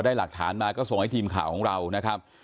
หลักฐานมาก็ส่งให้ทีมข่าวของเรานะครับ